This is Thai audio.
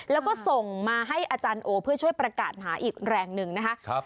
แล้วก็ส่งมาให้อาจารย์โอเพื่อช่วยประกาศหาอีกแรงหนึ่งนะคะ